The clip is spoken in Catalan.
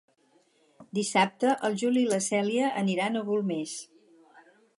Dissabte en Juli i na Cèlia aniran a Golmés.